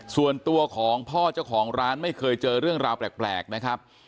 ส่วนตัวของพ่อเจ้าของร้านไม่เคยเจอเรื่องราวแปลกนะครับ